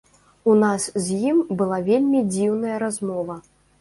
У нас з ім была вельмі дзіўная размова.